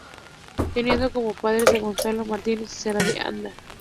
Teniendo como padres a Gonzalo Martínez y Sara de Anda.